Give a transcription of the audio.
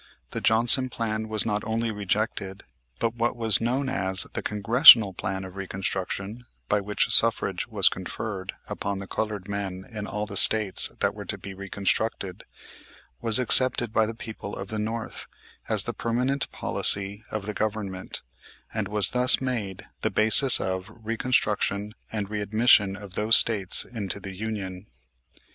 The Johnson plan was not only rejected, but what was known as the Congressional Plan of Reconstruction, by which suffrage was conferred upon the colored men in all the States that were to be reconstructed, was accepted by the people of the North as the permanent policy of the government, and was thus made the basis of Reconstruction and readmission of those States into the Union.